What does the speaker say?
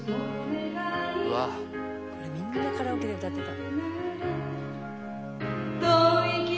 「これみんなカラオケで歌ってた」